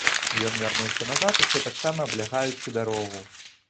Ён вярнуўся назад, усё таксама абглядаючы дарогу.